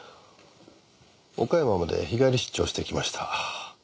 岡山まで日帰り出張してきました。